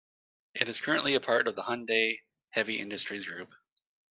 It is currently a part of the Hyundai Heavy Industries Group.